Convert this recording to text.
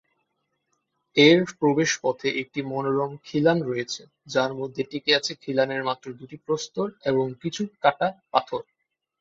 এর প্রবেশপথে একটি মনোরম খিলান রয়েছে যার মধ্যে টিকে আছে খিলানের মাত্র দুটি প্রস্তর এবং কিছু কাটা পাথর।